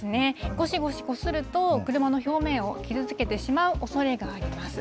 ごしごしこすると、車の表面を傷つけてしまうおそれがあります。